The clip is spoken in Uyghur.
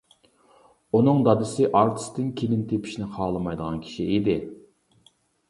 ئۇنىڭ دادىسى ئارتىستىن كېلىن تېپىشنى خالىمايدىغان كىشى ئىدى.